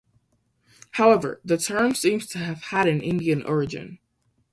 However, the term seems to have had an Indian origin.